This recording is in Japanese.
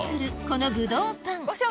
このぶどうパン